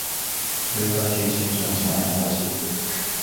硫酸锑是一种强氧化剂。